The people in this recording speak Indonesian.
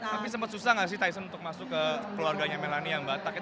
tapi sempet susah gak sih tyson untuk masuk ke keluarganya melanie yang batak